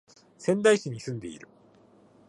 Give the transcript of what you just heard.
仙台市に住んでいる